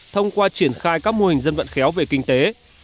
thông qua triển khai các mô hình dân vận khéo về kinh tế